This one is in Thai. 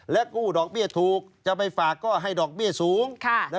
กู้ดอกเบี้ยถูกจะไปฝากก็ให้ดอกเบี้ยสูง